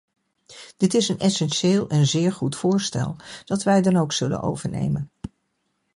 Dit is een essentieel en zeer goed voorstel, dat wij dan ook zullen overnemen.